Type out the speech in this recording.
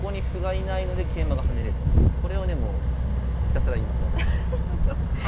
これをねもうひたすら言います私は。